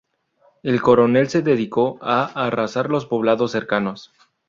El coronel se dedicó a arrasar los poblados cercanos.